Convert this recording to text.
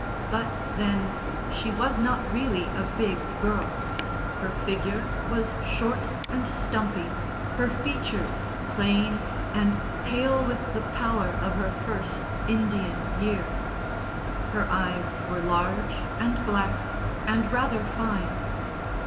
But, then, she was not really a big girl; her figure was short and stumpy, her features plain and pale with the pallor of her first Indian year. Her eyes were large and black and rather fine.